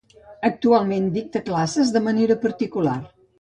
Actualment dicta classes de manera particular.